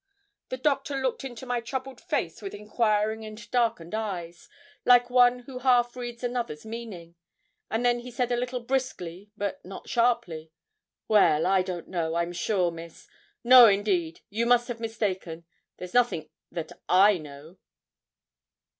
The Doctor looked into my troubled face with inquiring and darkened eyes, like one who half reads another's meaning; and then he said a little briskly, but not sharply 'Well, I don't know, I'm sure, Miss; no, indeed, you must have mistaken; there's nothing that I know.'